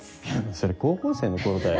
それ高校生の頃だよ。